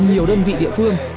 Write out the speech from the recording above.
nhiều đơn vị địa phương